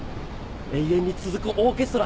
永遠に続くオーケストラ。